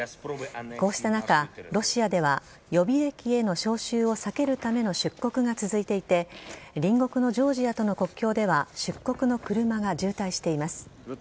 こうした中、ロシアでは予備兵への招集を避けるための出国が続いていて隣国のジョージアとの国境では出国の車が渋滞しています。